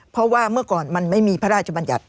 เพราะว่าเมื่อก่อนมันไม่มีพระราชบัญญัติ